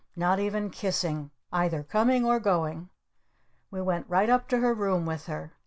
Not even kissing. Either coming or going. We went right up to her room with her.